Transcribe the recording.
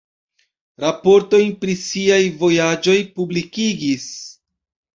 Raportojn pri siaj vojaĝoj publikigis.